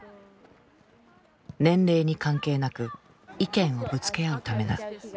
年齢に関係なく意見をぶつけ合うためだ。